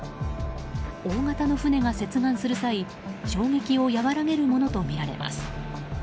大型の船が接岸する際衝撃を和らげるものとみられます。